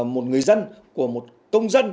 một người dân của một công dân